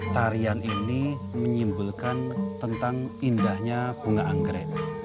tarian ini menyimpulkan tentang indahnya bunga anggrek